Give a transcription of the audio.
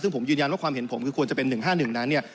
ซึ่งผมยืนยันว่าความเห็นผมคือควรจะเป็น๑๕๑นั้นเนี่ย